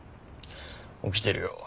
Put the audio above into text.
起きてるよ。